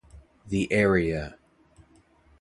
The area.